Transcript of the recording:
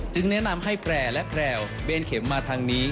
แนะนำให้แพร่และแพรวเบนเข็มมาทางนี้